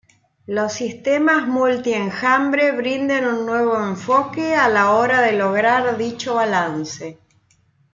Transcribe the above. Los sistemas multi-enjambre brindan un nuevo enfoque a la hora de lograr dicho balance.